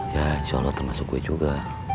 ya insya allah termasuk kue juga